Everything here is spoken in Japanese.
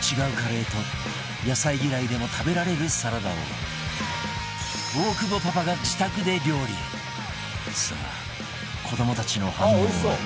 違うカレーと野菜嫌いでも食べられるサラダを大久保パパが自宅で料理さあ、子どもたちの反応は？